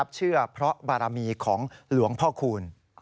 เชื่อเพราะบารมีของหลวงพ่อคูณ